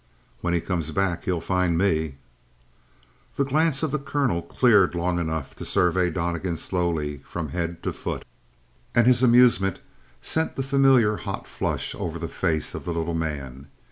"When he comes back he'll find me!" The glance of the colonel cleared long enough to survey Donnegan slowly from head to foot, and his amusement sent the familiar hot flush over the face of the little man.